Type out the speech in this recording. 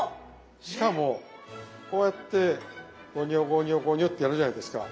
しかもこうやってごにょごにょごにょってやるじゃないですか。